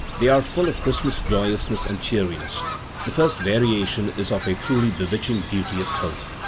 They are full of Christmas joyousness and cheeriness. The first variation is of a truly bewitching beauty of tone.